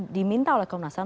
diminta oleh komnas ham